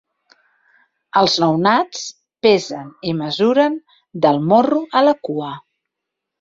Els nounats pesen i mesuren del morro a la cua.